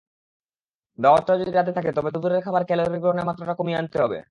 দাওয়াতটা যদি রাতে থাকে তবে দুপুরের খাবারে ক্যালরি গ্রহণের মাত্রাটা কমিয়ে আনতে হবে।